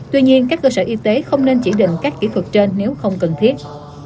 tuy nhiên các cơ sở y tế không nên chỉ định các kỹ thuật trên nếu không cần thiết